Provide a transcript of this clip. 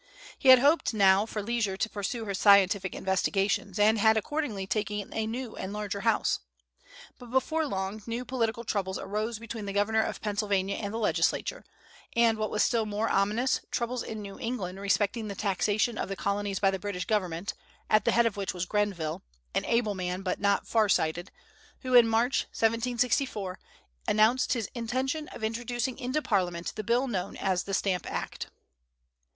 He had hoped now for leisure to pursue his scientific investigations, and had accordingly taken a new and larger house. But before long new political troubles arose between the governor of Pennsylvania and the legislature, and what was still more ominous, troubles in New England respecting the taxation of the Colonies by the British government, at the head of which was Grenville, an able man but not far sighted, who in March, 1764, announced his intention of introducing into Parliament the bill known as the Stamp Act.